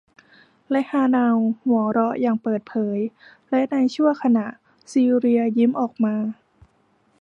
และฮาเนาหัวเราะอย่างเปิดเผย และในชั่วขณะ ซีเลียยิ้มออกมา